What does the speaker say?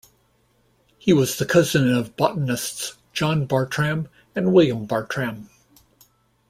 He was the cousin of botanists John Bartram and William Bartram.